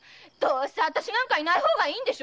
私なんかいない方がいいんでしょ‼